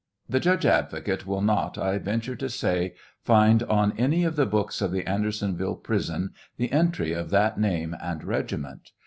The judge advocate will not, I venture to say, find on any of the books of the Ander sonville prison the entry of that name and regiment.